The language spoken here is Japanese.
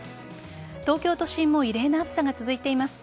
東京都心も異例な暑さが続いています。